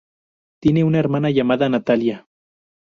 Tiene una hermana llamada Natalia.